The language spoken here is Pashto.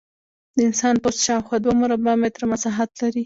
د انسان پوست شاوخوا دوه مربع متره مساحت لري.